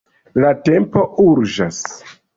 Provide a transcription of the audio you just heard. La tempo urĝas.